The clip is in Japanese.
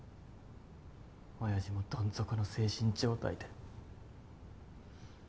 親父もどん底の精神状態で。